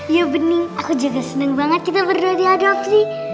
ya bening aku juga seneng banget kita berdua diadopsi